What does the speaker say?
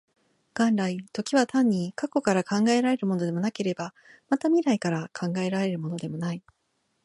元来、時は単に過去から考えられるものでもなければ、また未来から考えられるものでもない。